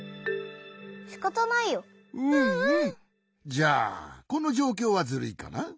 じゃあこのじょうきょうはズルいかな？